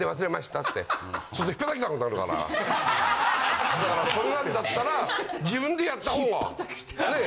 だからそんなんだったら自分でやった方がね